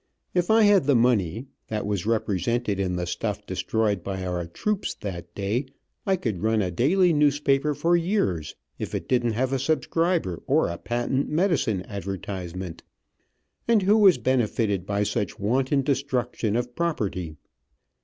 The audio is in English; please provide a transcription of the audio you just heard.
If I had the money, that was represented in the stuff destroyed by our troops that day, I could run a daily newspaper for years, if it didn't have a subscriber or a patent medicine advertisement. And who was benefitted by such wanton destruction of property.